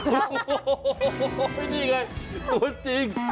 โอ้โฮนี่ไงสมมุติจริง